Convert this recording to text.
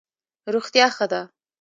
روغتیا ښه ده.